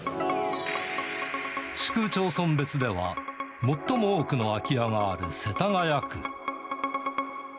市区町村別では、最も多くの空き家がある世田谷区。